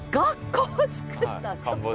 ちょっと。